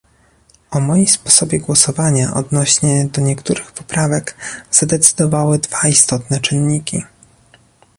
O moim sposobie głosowania odnośnie do niektórych poprawek zadecydowały dwa istotne czynniki